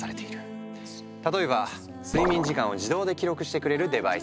例えば睡眠時間を自動で記録してくれるデバイス。